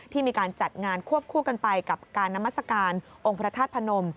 มีการจัดงานควบคู่กันไปกับการนามัศกาลองค์พระธาตุพนม